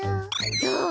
そう？